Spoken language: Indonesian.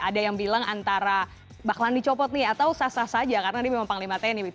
ada yang bilang antara bakalan dicopot nih atau sah sah saja karena dia memang panglima tni